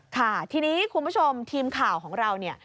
ค่ะทีนี้คุณผู้ชมทีมข่าวของเราเนี่ย